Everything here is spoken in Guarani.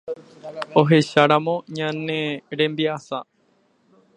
Ohecharamo ñane rembiasa